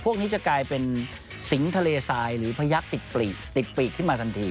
พวกนี้จะกลายเป็นสิงทะเลทรายหรือพยักษ์ติดปลีกติดปีกขึ้นมาทันที